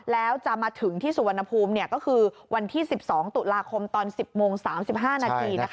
แล้วจะมาถึงที่สุวรรณภูมิก็คือวันที่๑๒ตุลาคมตอน๑๐โมง๓๕นาที